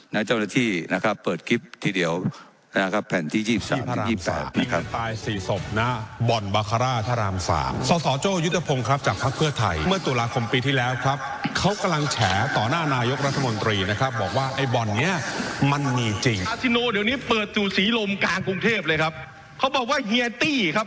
นะครับเปิดคลิปทีเดียวนะครับแผ่นที่ยี่สิบสามถึงยี่สิบแปดนี่ครับ